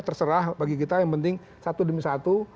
terserah bagi kita yang penting satu demi satu